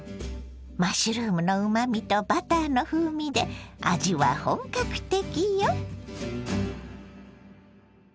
マッシュルームのうまみとバターの風味で味は本格的よ。